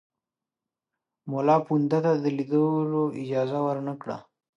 مُلاپوونده ته د لیدلو اجازه ورنه کړه.